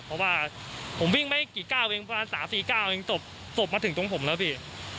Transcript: เพราะว่าผมวิ่งไม่กี่ก้าวเล็งยันสาว๔๙ทุกมาถึงตรงผมนะพี่